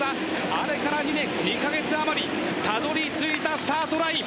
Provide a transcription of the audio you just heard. あれから２年２カ月余りたどりついたスタートライン。